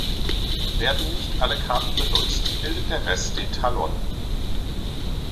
Werden nicht alle Karten benutzt, bildet der Rest den Talon.